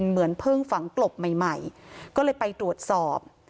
เหมือนเพิ่งฝังกลบใหม่ก็เลยไปตรวจสอบ